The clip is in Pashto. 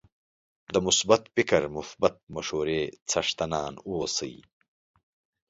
د مثبت فکر او مثبتې مشورې څښتنان اوسئ